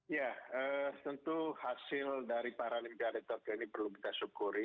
ya tentu hasil dari paralimpiade tokyo ini perlu kita syukuri